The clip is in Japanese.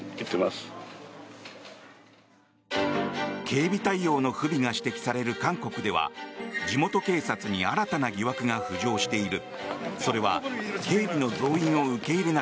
警備対応の不備が指摘される韓国では地元警察に新たな疑惑が浮上している。